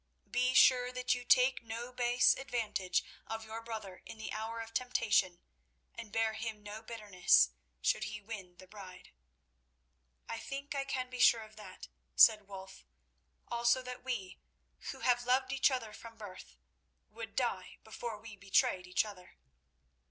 Be sure that you take no base advantage of your brother in the hour of temptation, and bear him no bitterness should he win the bride." "I think I can be sure of that," said Wulf; "also that we, who have loved each other from birth, would die before we betrayed each other."